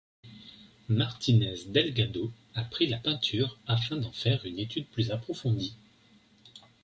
Martinez Delgado a pris la peinture afin d'en faire une étude plus approfondie.